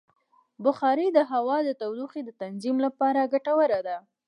بخاري د هوا د تودوخې د تنظیم لپاره ګټوره ده.